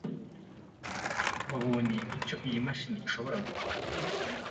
Wabonye icyo iyi mashini ishobora gukora.